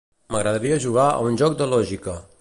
M'agradaria jugar a un joc de lògica.